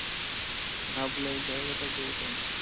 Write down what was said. ভাবলেই গায়ে কাটা দিয়ে ওঠে।